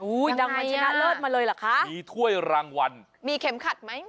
รางวัลชนะเลิศมาเลยเหรอคะมีถ้วยรางวัลมีเข็มขัดไหม